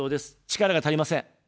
力が足りません。